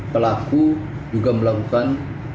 pelaku juga melakukan